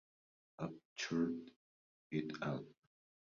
Upchurch "et al.